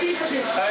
はい。